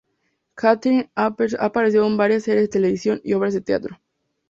Kathryn ha aparecido en varias series de televisión y obras de teatro.